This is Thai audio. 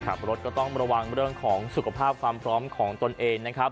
ขับรถก็ต้องระวังเรื่องของสุขภาพความพร้อมของตนเองนะครับ